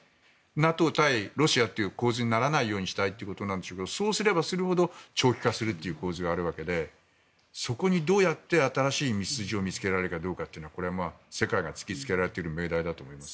ＮＡＴＯ対ロシアという構図にならないようにしたいということなんでしょうがそうすればするほど長期化する構図があるわけでそこにどうやって新しい道筋を見つけられるかどうかというのは世界が突きつけられている命題だと思います。